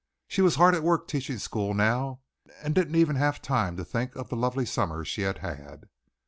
She was hard at work teaching school now, and didn't even have time to think of the lovely summer she had had.